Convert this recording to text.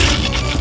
aku akan menang